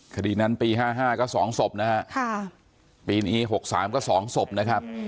คดีนั้นปีห้าห้าก็สองศพนะฮะค่ะปีนี้หกสามก็สองศพนะครับ